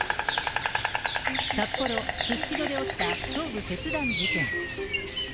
札幌・すすきので起きた頭部切断事件。